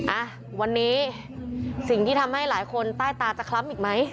อ่ะวันนี้สิ่งที่ทำให้หลายคนใต้ตาจะคล้ำอีกไหม